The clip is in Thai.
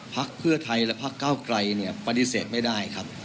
พักเพื่อไทยและพักเก้าไกลปฏิเสธไม่ได้ครับ